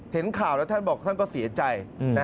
เห็นข่าวแล้วท่านบอกท่านก็เสียใจ